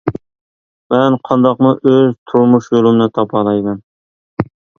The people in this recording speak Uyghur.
مەن قانداقمۇ ئۆز تۇرمۇش يولۇمنى تاپالايمەن.